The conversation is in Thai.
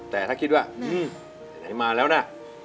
แต่ถ้าคิดว่าไหนมาแล้วนะ